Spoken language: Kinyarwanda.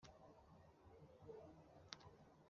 Mbese mutegetsi w’iyo mu biro